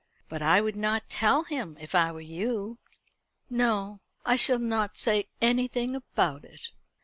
But I would not tell him if I were you." "No, I shall not say anything about it."